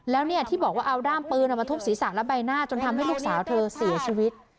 แล้วเนี่ยที่บอกว่าเอาด้ามปืนมาทุบศีรษะและใบหน้าจนทำให้ลูกสาวเธอเสียชีวิต